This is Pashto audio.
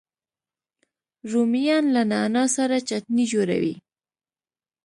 رومیان له نعنا سره چټني جوړوي